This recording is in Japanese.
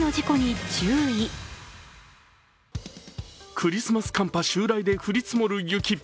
クリスマス寒波襲来で降り積もる雪。